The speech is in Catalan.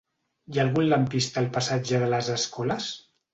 Hi ha algun lampista al passatge de les Escoles?